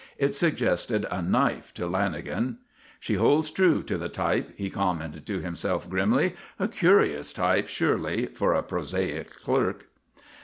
It suggested a knife to Lanagan. "She holds true to the type," he commented to himself grimly. "A curious type, surely, for a prosaic clerk!"